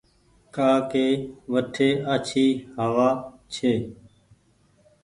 ڪآ ڪي وٺي آڇي هوآ ڇي ۔